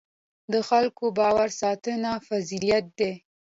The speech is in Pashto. د خلکو باور ساتنه فضیلت دی.